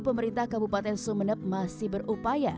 pemerintah kabupaten sumeneb masih berupaya